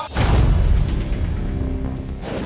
มาป๋อท์